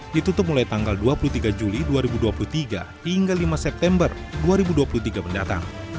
ditutup mulai tanggal dua puluh tiga juli dua ribu dua puluh tiga hingga lima september dua ribu dua puluh tiga mendatang